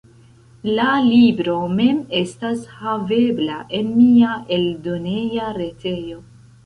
La libro mem estas havebla en mia eldoneja retejo.